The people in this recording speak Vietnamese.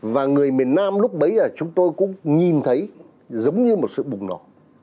và người miền nam lúc bấy giờ chúng tôi cũng nhìn thấy giống như một sự bùng nổ